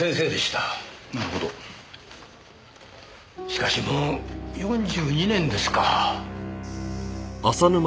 しかしもう４２年ですか。